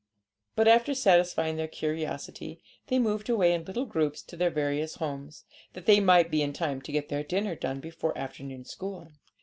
But, after satisfying their curiosity, they moved away in little groups to their various homes, that they might be in time to get their dinner done before afternoon school.